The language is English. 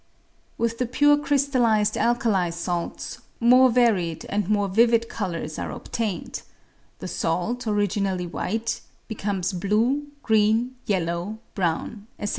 With the pure crystallised alkali salts more varied and more vivid colours are obtained; the salt, originally white, becomes blue, green, yellow, brown, &c.